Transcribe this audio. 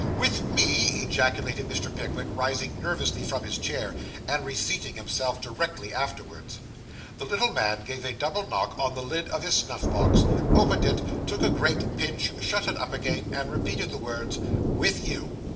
'With me!' ejaculated Mr. Pickwick, rising nervously from his chair, and reseating himself directly afterwards. The little man gave a double knock on the lid of his snuff box, opened it, took a great pinch, shut it up again, and repeated the words, 'With you.